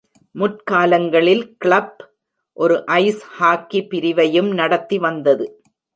முற்காலங்களில் club ஒரு ice hockey பிரிவையும் நடத்தி வந்தது.